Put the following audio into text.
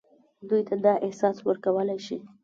دوی ته دا احساس ورکولای شي.